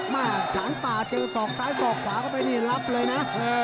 ม่าถานตาเจอศอกซ้ายศอกขวาก็ไปรับเลยนะ